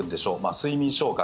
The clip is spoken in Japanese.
睡眠障害